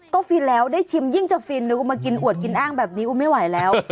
ก็ฟินแล้วได้ชิมยิ่งจะฟินหรือกูมากินอวดกินอ้างแบบนี้กูไม่ไหวแล้ว